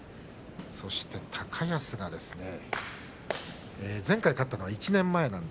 そして高安が前回勝ったのは１年前。